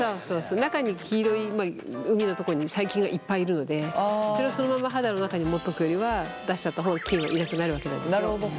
中に黄色い膿のとこに細菌がいっぱいいるのでそれをそのまま肌の中に持っとくよりは出しちゃった方が菌はいなくなるわけなんですよ。